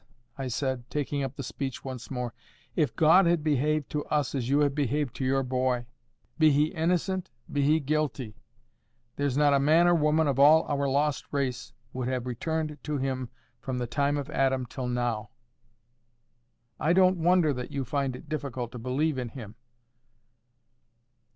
I said, taking up the speech once more, "if God had behaved to us as you have behaved to your boy—be he innocent, be he guilty—there's not a man or woman of all our lost race would have returned to Him from the time of Adam till now. I don't wonder that you find it difficult to believe in Him."